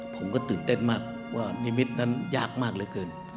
ผมก็ตื่นเต้นมากว่านิมิตรนั้นยากมากเหลือเกิน